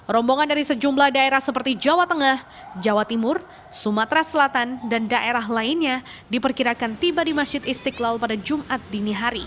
rombongan dari sejumlah daerah seperti jawa tengah jawa timur sumatera selatan dan daerah lainnya diperkirakan tiba di masjid istiqlal pada jumat dini hari